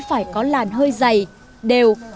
phải có làn hơi dày đều